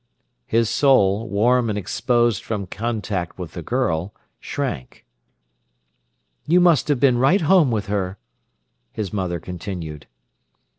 His soul, warm and exposed from contact with the girl, shrank. "You must have been right home with her," his mother continued.